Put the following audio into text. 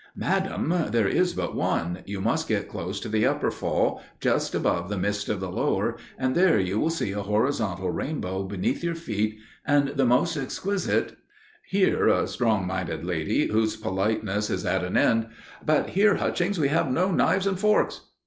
"Madam, there is but one; you must get close to the Upper Fall, just above the mist of the lower, and there you will see a horizontal rainbow beneath your feet, and the most exquisite—" Here a strong minded lady, whose politeness is at an end, "But here, Hutchings, we have no knives and forks!"